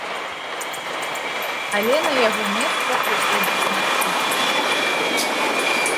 Але на яго месца прыходзіць наступны.